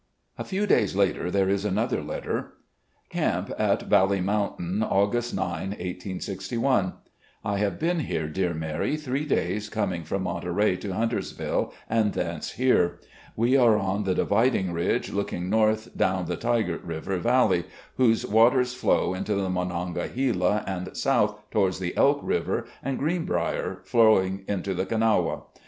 A few days later there is another letter: "Camp at Valley Mountain, August 9, 1861. " I have been here, dear Mary, three days, coming from Monterey to Huntersville and thence here. We are on the dividing ridge looking north down the Tygart's river valley, whose waters flow into the Monongahela and South towards the Elk River and Greenbrier, flowing into the Kanawha.